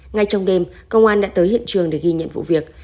ngay trong đêm công an đã tới hiện trường để ghi nhận vụ việc